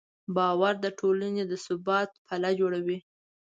باور د ټولنې د ثبات پله جوړوي.